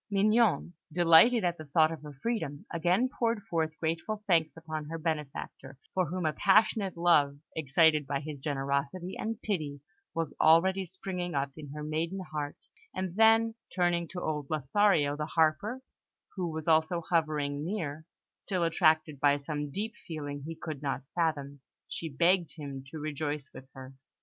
Mignon, delighted at the thought of her freedom, again poured forth grateful thanks upon her benefactor, for whom a passionate love, excited by his generosity and pity, was already springing up in her maiden heart, and then, turning to old Lothario the Harper, who was also hovering near, still attracted by some deep feeling he could not fathom, she begged him to rejoice with her.